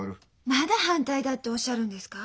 まだ「反対だ」っておっしゃるんですか？